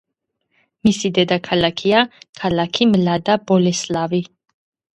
მისი დედაქალაქია ქალაქი მლადა-ბოლესლავი.